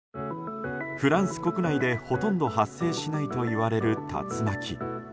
フランス国内で、ほとんど発生しないといわれる竜巻。